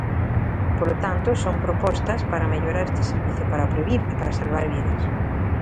Polo tanto, son propostas para mellorar este servizo, para previr e para salvar vidas.